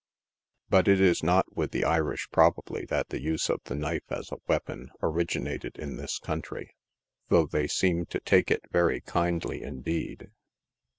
Eut it is not with the Irish, probably, that the use of the knife as a weapon originated in this country — though they seem to take it very kindly, indeed.